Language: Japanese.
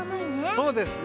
そうですね。